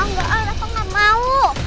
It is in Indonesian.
oh enggak oh rafa gak mau